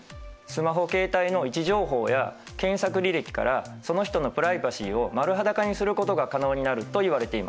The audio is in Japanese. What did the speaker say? スマホ携帯の位置情報や検索履歴からその人のプライバシーを丸裸にすることが可能になるといわれています。